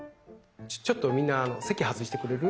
ちょっとみんな席外してくれる？」